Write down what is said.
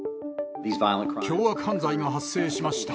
凶悪犯罪が発生しました。